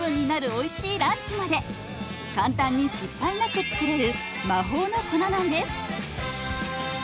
おいしいランチまで簡単に失敗なく作れる魔法の粉なんです。